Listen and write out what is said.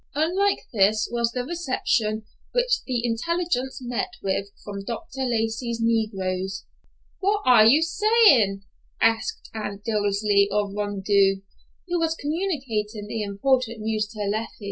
Unlike this was the reception which the intelligence met with from Dr. Lacey's negroes. "What that ar you sayin'," asked Aunt Dilsey of Rondeau, who was communicating the important news to Leffie.